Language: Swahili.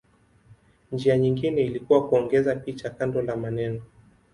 Njia nyingine ilikuwa kuongeza picha kando la maneno.